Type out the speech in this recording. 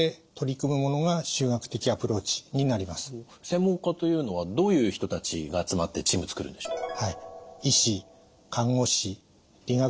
専門家というのはどういう人たちが集まってチーム作るんでしょう？